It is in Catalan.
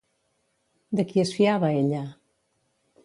De qui es fiava ella?